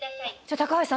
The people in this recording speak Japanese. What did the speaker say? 高橋さん。